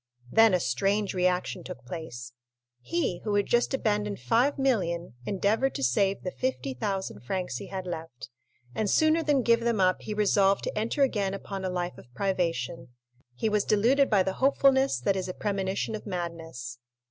Then a strange reaction took place; he who had just abandoned 5,000,000 endeavored to save the 50,000 francs he had left, and sooner than give them up he resolved to enter again upon a life of privation—he was deluded by the hopefulness that is a premonition of madness.